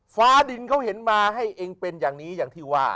ฟ้าดินเขาเห็นมาให้เองเป็นอย่างนี้อย่างที่ว่า